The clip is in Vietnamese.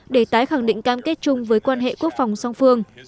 để tái khẳng định cam kết chung với quan hệ quốc phòng song phương